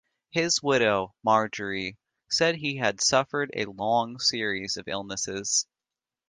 His widow, Marjorie, said he had suffered a long series of illnesses.